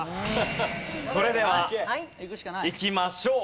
それではいきましょう。